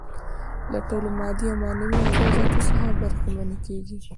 له ټولو مادي او معنوي امتیازاتو څخه برخمنې کيږي.